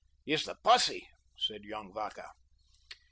"It's the posse," said young Vacca.